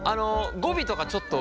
語尾とかちょっと。